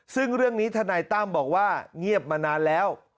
ซึ่งเรื่องนี้ทนายตั้มบอกว่าเงียบมานานแล้ว